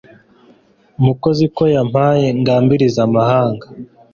Mukozi ko yampaye Ngambirize amahanga